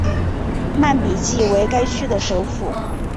曼比季为该区的首府。